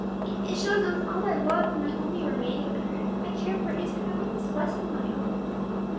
It shows that with all my love for my only remaining parent, I care for his happiness less than my own.